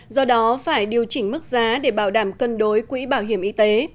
do đó phải điều chỉnh mức giá để bảo đảm cân đối quỹ bảo hiểm y tế